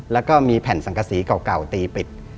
แล้วก็มีแผ่นสังกษีเก่าตีปิด